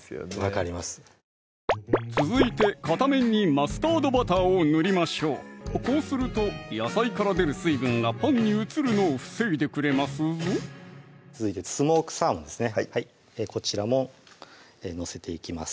分かります続いて片面にマスタードバターを塗りましょうこうすると野菜から出る水分がパンに移るのを防いでくれますぞ続いてスモークサーモンですねはいこちらも載せていきます